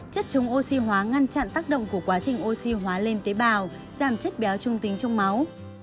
chất chống oxy hóa ngăn chặn tác động của quá trình oxy hóa lên tế bào giảm chất béo trung tính trong máu